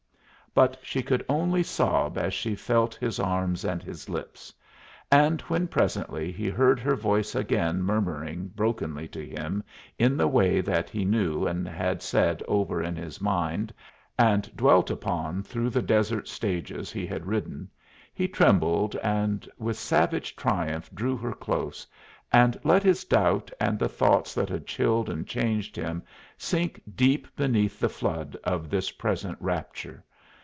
But she could only sob as she felt his arms and his lips. And when presently he heard her voice again murmuring brokenly to him in the way that he knew and had said over in his mind and dwelt upon through the desert stages he had ridden, he trembled, and with savage triumph drew her close, and let his doubt and the thoughts that had chilled and changed him sink deep beneath the flood of this present rapture.